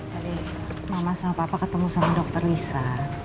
tadi mama sama papa ketemu sama dokter lisa